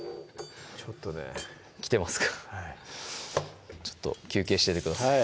ちょっとねきてますかちょっと休憩しててください